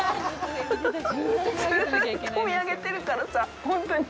ずうっと見上げてるからさ、本当に。